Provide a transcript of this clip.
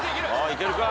いけるか？